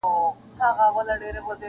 دښاغلی جهانی صاحب دغه شعر-